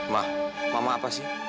mah mama apa sih